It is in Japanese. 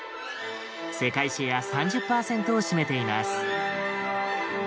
世界シェア３０％を占めています。